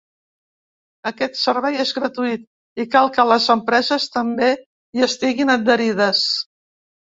Aquest servei és gratuït i cal que les empreses també hi estiguin adherides.